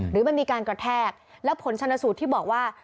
หรือมันมีการกระแทกแล้วผลชนสูตรที่บอกว่า